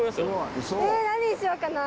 え何にしようかな？